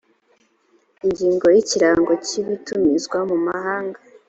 ingingo y’ ikirango cy ibitumizwa mu mahanga